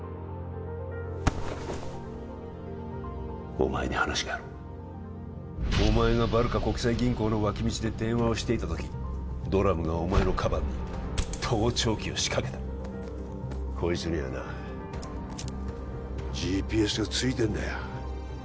お前に話があるお前がバルカ国際銀行の脇道で電話をしていた時ドラムがお前のカバンに盗聴器を仕掛けたこいつにはなＧＰＳがついてんだよ